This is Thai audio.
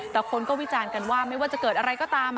แต่คนก็วิจารณ์กันว่าไม่ว่าจะเกิดอะไรก็ตาม